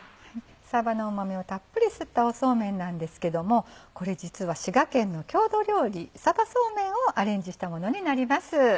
さばのうま味をたっぷり吸ったそうめんなんですけどもこれ実は滋賀県の郷土料理さばそうめんをアレンジしたものになります。